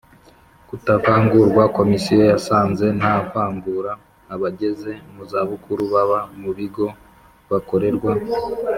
Kutavangurwa Komisiyo yasanze nta vangura abageze mu zabukuru baba mu bigo bakorerwa